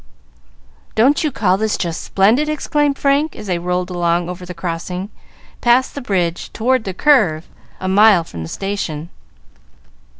"Don't you call this just splendid?" exclaimed Frank, as they rolled along over the crossing, past the bridge, toward the curve, a mile from the station.